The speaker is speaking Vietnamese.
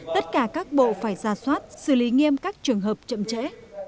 tất cả các bộ phải ra soát xử lý nghiêm các trường hợp chậm trễ